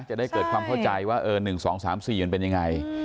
จะได้เกิดความเข้าใจว่า๑๒๓๔มันเป็นยังไง